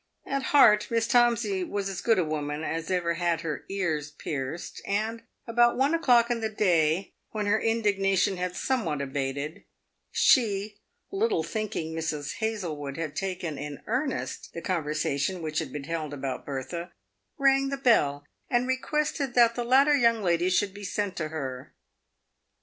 At heart, Miss Tomsey was as good a woman as ever had her ears pierced, and, about one o'clock in the day, when her indignation had somewhat abated, she, little thinking Mrs. Hazlewood had taken in earnest the conversation which had been held about Bertha, rang the bell, and requested that the latter young lady should be sent to her.